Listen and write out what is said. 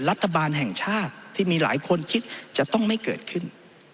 รัฐบาลแห่งชาติที่มีหลายคนคิดจะต้องไม่เกิดขึ้น